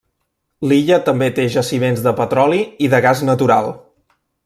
L'illa també té jaciments de petroli i de gas natural.